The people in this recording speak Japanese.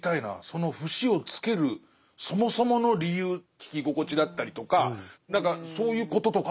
その節をつけるそもそもの理由聴き心地だったりとか何かそういうこととかあるのかしら。